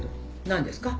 何ですか？